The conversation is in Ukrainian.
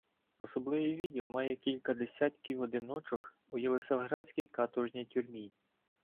Особливий відділ має кілька десятків одиночок у єлисаветградській каторжній тюрмі.